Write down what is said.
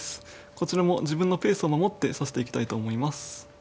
こちらも自分のペースを守って指していきたいと思います。